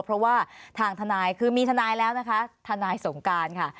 เพราะว่าทางทนายคือมีทนายแล้วนะคะทนายสงการค่ะ